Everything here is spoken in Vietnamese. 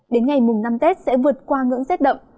đến ngày mùng năm tết sẽ vượt qua ngưỡng rét đậm